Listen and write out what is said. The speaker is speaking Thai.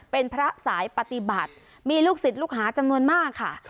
เป็นพระสายปฏิบัติมีลูกศิษย์ลูกหาจำนวนมากค่ะ